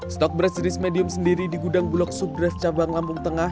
stok beras jenis medium sendiri di gudang bulog subret cabang lampung tengah